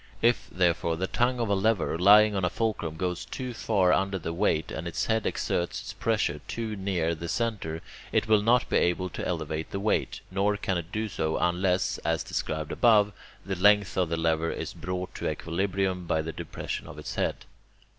If, therefore, the tongue of a lever lying on a fulcrum goes too far under the weight, and its head exerts its pressure too near the centre, it will not be able to elevate the weight, nor can it do so unless, as described above, the length of the lever is brought to equilibrium by the depression of its head.